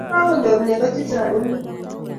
Kangonyor nego chegachenge inne